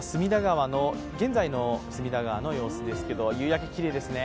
現在の隅田川の様子ですけれども、夕焼け、きれいですね。